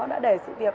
đã để sự việc